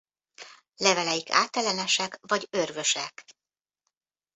Leveleik átellenesek vagy örvösek.